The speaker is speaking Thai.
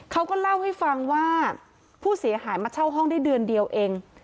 เขาก็เล่าให้ฟังว่าผู้เสียหายมาเช่าห้องได้เดือนเดียวเอง